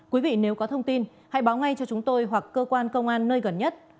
quý vị nếu có thông tin hãy báo ngay cho chúng tôi hoặc cơ quan công an nơi gần nhất